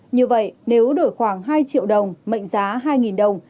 như vậy nếu đổi khoảng hai triệu đồng mệnh giá hai đồng